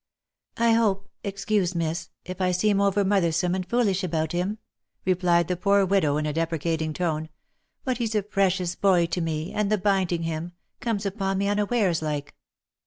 " I hope excuse, miss, if I seem over mothersome and foolish about him," replied the poor widow in a deprecating tone, " but he's a pre cious boy to me, and the binding him, comes upon me unawares like."